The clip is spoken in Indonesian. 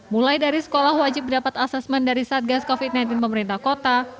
mulai dari sekolah wajib mendapat asesmen dari satgas covid sembilan belas pemerintah kota